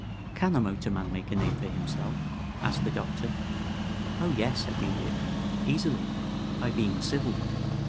"Can a motorman make a name for himself?" asked the Doctor. "Oh yes," said the Idiot. "Easily. By being civil.